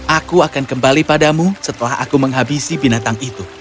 aku akan kembali padamu setelah aku menghabisi binatang itu